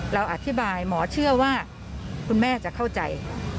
เราอธิบายหมอเชื่อว่าคุณแม่จะเข้าใจ